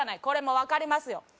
これも分かりますよ